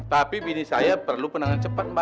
tapi bini saya perlu penanganan cepat pak